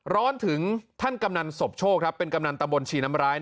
ร้อนถึงท่านกำนันศพโชคเป็นกำนันตะบนชีน้ำร้าย